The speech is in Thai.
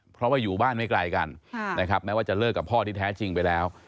เพราะว่าอยู่บ้านไม่ไกลกันนะครับแม้ว่าจะเลิกกับพ่อที่แท้จริงไปแล้ว